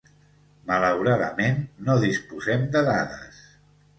Malauradament, no disposem de dades